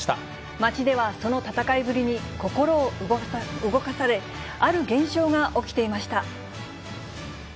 街ではその戦いぶりに、心を動かされ、ある現象が起きていました。